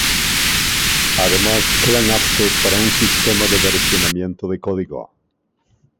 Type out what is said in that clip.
Además, quedan aptos para un sistema de versionamiento de código.